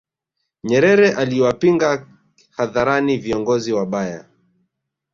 nyerere aliwapinga hadharani viongozi wabaya